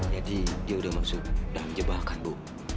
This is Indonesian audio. jadi dia udah masuk dalam jebakan bu